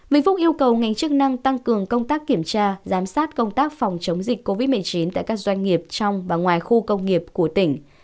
vĩnh phúc yêu cầu ngành chức năng tăng cường công tác kiểm tra giám sát công tác phòng chống dịch covid một mươi chín tại các doanh nghiệp trong và ngoài khu công nghiệp của tỉnh